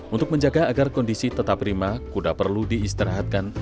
untuk menjaga agar kondisi tetap prima kuda perlu diistirahatkan